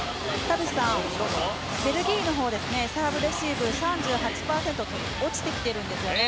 ベルギーのほうはサーブレシーブが３８％と落ちてきているんですよね。